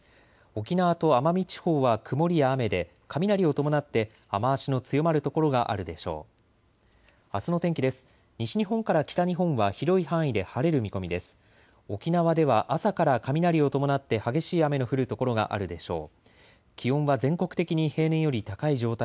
沖縄と奄美地方は曇りや雨で雷を伴って雨足の強まる所があるでしょう。